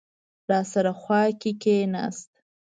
راسره خوا کې کېناست.